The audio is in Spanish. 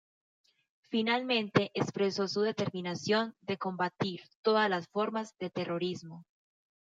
Finalmente, expresó su determinación de combatir todas las formas de terrorismo.